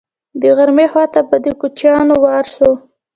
د غرمې خوا ته به د کوچیانو وار شو.